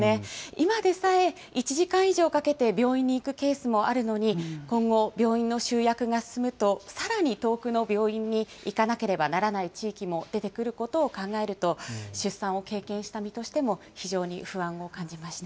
今でさえ、１時間以上かけて病院に行くケースもあるのに、今後、病院の集約が進むと、さらに遠くの病院に行かなければならない地域も出てくることを考えると、出産を経験した身としても非常に不安を感じました。